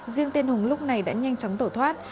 riêng tên hùng lúc này đã nhanh chóng tổ thoát